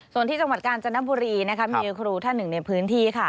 ส่วนที่จังหวัดกาญจนบุรีนะคะมีครูท่านหนึ่งในพื้นที่ค่ะ